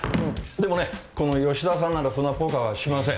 でもねこの吉田さんならそんなポカはしません。